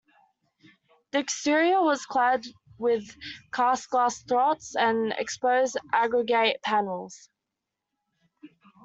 The exterior was clad with cast glass troughs and exposed aggregate panels.